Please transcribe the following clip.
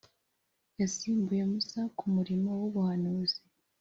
Yasimbuye Musa ku murimo w’ubuhanuzi,